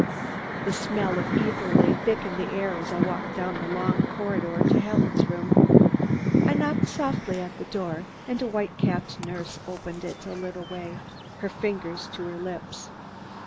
The smell of ether lay thick in the air as I walked down the long corridor to Helen's room. I knocked softly at the door and a white capped nurse opened it a little way, her finger to her lips.